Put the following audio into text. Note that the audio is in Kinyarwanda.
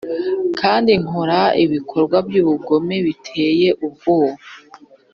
kandi nkora ibikorwa by ubugome biteye ubwoba